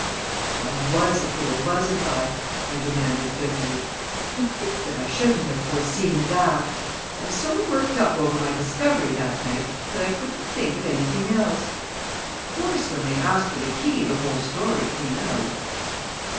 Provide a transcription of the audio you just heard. "Well, I was a fool, wasn't I?" I demanded bitterly. "To think that I shouldn't have foreseen that! I was so worked up over my discovery that night that I couldn't think of anything else. Of course, when they asked for the key, the whole story came out."